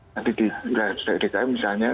nanti sudah dikira misalnya